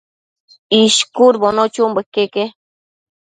ishcudbono chunbo iqueque